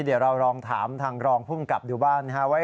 เดี๋ยวเราลองถามทางรองภูมิกับดิวบ้าน